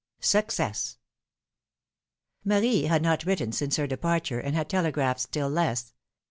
SUCCESS ! ARIE had not written since her departure, and TVJ had telegraphed still less.